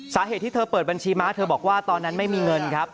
สาเหตุที่เธอเปิดบัญชีม้าเธอบอกว่าตอนนั้นไม่มีเงินครับ